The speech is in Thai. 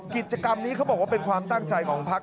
กิจกรรมนี้เขาบอกว่าเป็นความตั้งใจของพัก